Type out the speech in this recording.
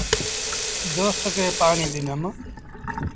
دوست کي پآڻي ڏنم۔